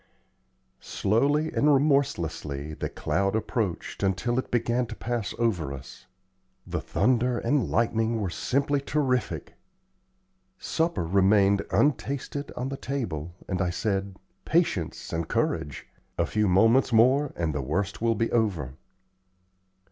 Slowly and remorselessly the cloud approached, until it began to pass over us. The thunder and lightning were simply terrific. Supper remained untasted on the table, and I said: "Patience and courage! A few moments more and the worst will be over!"